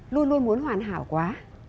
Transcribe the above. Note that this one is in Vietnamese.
luôn luôn muốn hoàn hảo quá